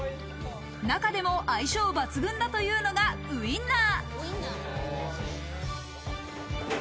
中でも相性抜群だというのがウインナー。